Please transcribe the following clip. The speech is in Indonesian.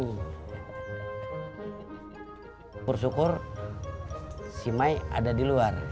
syukur syukur si mai ada di luar